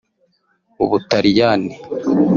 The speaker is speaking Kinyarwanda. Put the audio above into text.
Ubutaliyani